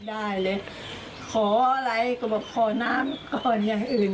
ได้เลยขออะไรก็บอกขอน้ำก่อนอย่างอื่น